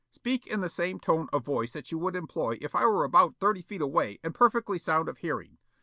"Speak in the same tone of voice that you would employ if I were about thirty feet away and perfectly sound of hearing.